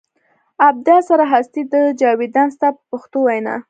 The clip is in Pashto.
ابدا سره هستي ده جاویدان ستا په پښتو وینا.